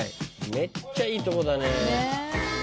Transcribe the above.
めっちゃいいとこだね。ね。